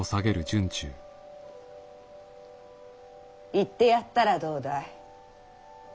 行ってやったらどうだい？